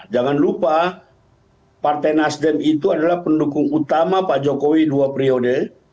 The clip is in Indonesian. jangan lupa partai nasdem itu adalah pendukung utama pak jokowi dua periode